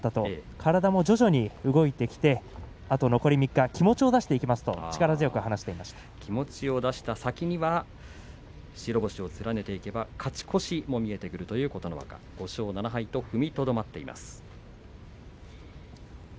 体も徐々に動いてきてあと残り３日、気持ちを出して気持ちを出した先には勝ち越しも見えてくるという琴ノ若、５勝７敗と踏みとどまりました。